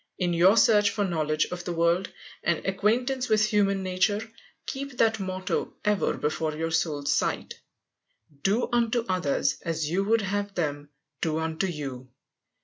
_ In your search for knowledge of the world, and acquaintance with human nature, keep that motto ever before your soul's sight, "Do unto others as you would have them do unto you."